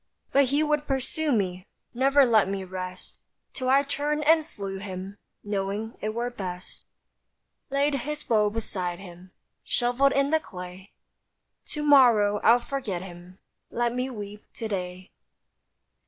But he would pursue me, Never let me rest; Till I turned and slew him, Knowing it were best. Laid his bow beside him, Shovelled in the clay; To morrow I'll forget him; Let me weep to day.